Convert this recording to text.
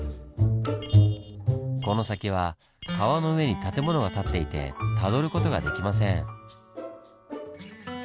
この先は川の上に建物が建っていてたどる事ができません。